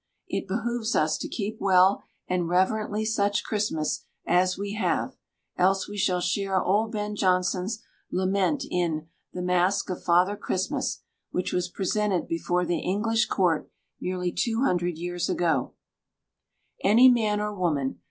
It behooves us to keep well and reverently such Christmas as we have, else we shall share old Ben Jonson's lament in The Mask of Father Christmas, which was presented before the English Court nearly two hundred years ago: "Any man or woman